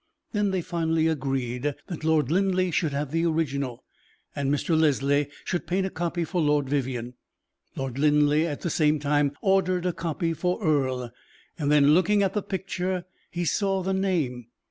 Then they finally agreed that Lord Linleigh should have the original, and Mr. Leslie should paint a copy for Lord Vivianne. Lord Linleigh at the same time ordered a copy for Earle. Then, looking at the picture, he saw the name.